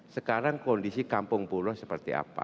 sekarang kondisi kampung pulau seperti apa